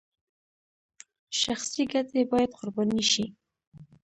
شخصي ګټې باید قرباني شي